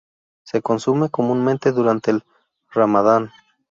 Se consume comúnmente durante el Ramadán.